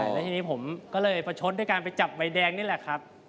แล้วทีนี้ผมก็เลยประชดด้วยการไปจับใบแดงนี่แหละครับ